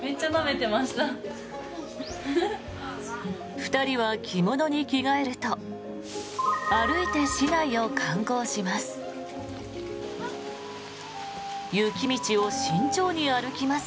２人は着物に着替えると歩いて市内を観光します。